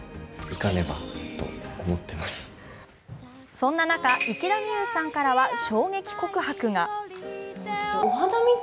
そんな中、池田美優さんからは衝撃告白が。